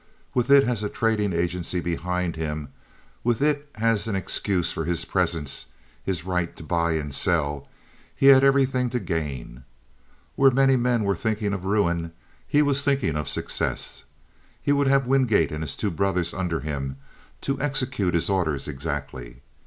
With it as a trading agency behind him—with it as an excuse for his presence, his right to buy and sell—he had everything to gain. Where many men were thinking of ruin, he was thinking of success. He would have Wingate and his two brothers under him to execute his orders exactly.